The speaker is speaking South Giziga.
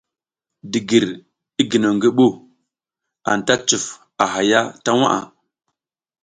Digir, i ginew ngi ɓu, anta cuf a haya ta waʼa.